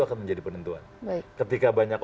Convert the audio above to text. akan menjadi penentuan ketika banyak